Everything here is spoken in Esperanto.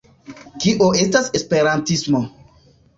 Kio estas esperantismo?